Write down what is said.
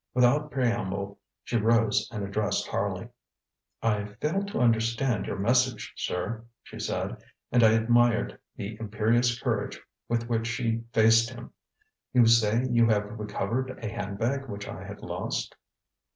Without preamble she rose and addressed Harley: ŌĆ£I fail to understand your message, sir, ŌĆØ she said, and I admired the imperious courage with which she faced him. ŌĆ£You say you have recovered a handbag which I had lost?